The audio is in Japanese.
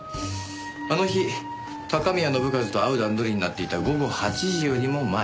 あの日高宮信一と会う段取りになっていた午後８時よりも前。